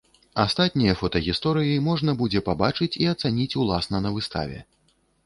Астатнія фотагісторыі можна будзе пабачыць і ацаніць уласна на выставе.